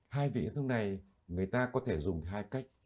hai vị thương này người ta có thể dùng hai cách